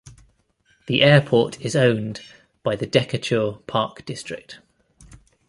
The airport is owned by the Decatur Park District.